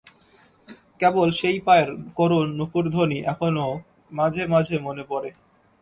কেবল সেই পায়ের করুণ নূপুরধ্বনি এখনো মাঝে মাঝে মনে পড়ে!